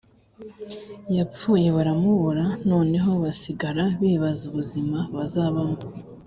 yapfuye baramubura noneho basigara bibaza ubuzima bazabamo